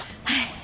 はい。